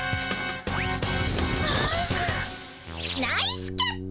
ナイスキャッチ。